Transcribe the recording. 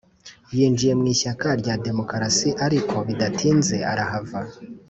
yinjiye mu ishyaka rya demokarasi ariko bidatinze arahava.